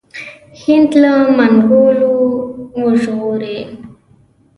هند له منګولو وژغوري.